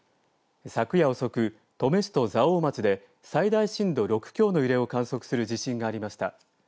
昨夜遅く、登米市と蔵王町で最大震度６強の揺れを観測する地震がありました。